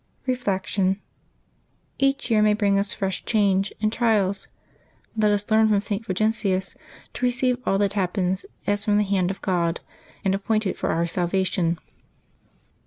Reflection. — Each year may bring us fresh changes and trials; let us learn from St. Fulgentius to receive all that happens as from the hand of God, and appointed for our salvation.